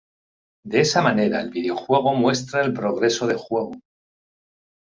De esa manera el videojuego muestra el progreso de juego.